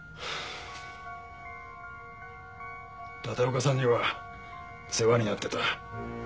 立岡さんには世話になってた。